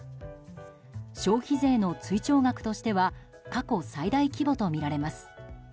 消費税の追徴額としては過去最大規模とみられます。